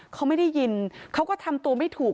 เขาไม่ได้ยินเขาก็ทำตัวไม่ถูก